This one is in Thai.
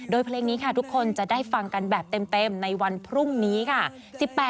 โดยเพลงนี้ค่ะทุกคนจะได้ฟังกันแบบเต็มในวันพรุ่งนี้ค่ะ